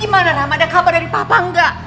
gimana mama ada kabar dari papa engga